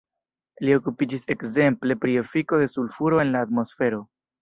Li okupiĝis ekzemple pri efiko de sulfuro en la atmosfero.